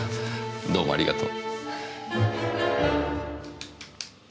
どうもありがとう。